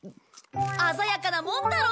あざやかなもんだろ！